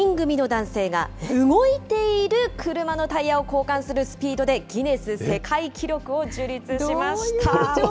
イタリアで２人組の男性が動いている車のタイヤを交換するスピードでギネス世界記録を樹立しました。